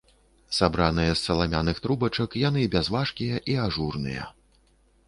Сабраныя з саламяных трубачак, яны бязважкія і ажурныя.